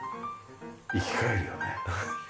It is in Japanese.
生き返るよね。